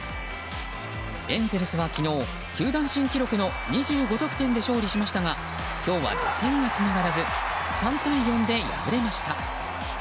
エンゼルスは昨日、球団新記録の２５得点で勝利しましたが今日は打線がつながらず３対４で敗れました。